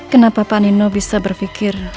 kenapa pak nino bisa berpikir